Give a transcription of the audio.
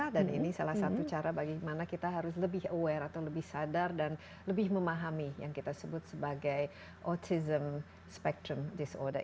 dan ini salah satu cara bagaimana kita harus lebih aware atau lebih sadar dan lebih memahami yang kita sebut sebagai autism spectrum disorder